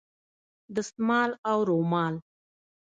دستمال او رومال